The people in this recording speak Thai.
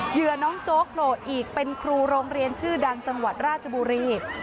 เหยื่อน้องโจ๊กโผล่อีกเป็นครูโรงเรียนชื่อดังจังหวัดราชบุรี